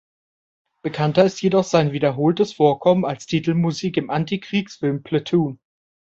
Bekannter ist jedoch sein wiederholtes Vorkommen als Titelmusik im Antikriegsfilm "Platoon".